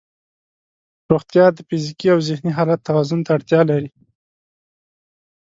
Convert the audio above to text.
روغتیا د فزیکي او ذهني حالت توازن ته اړتیا لري.